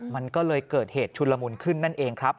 มันก็เลยเกิดเหตุชุนละมุนขึ้นนั่นเองครับ